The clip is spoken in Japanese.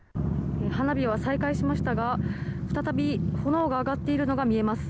花火は再開しましたが、再び炎が上がっているのが見えます。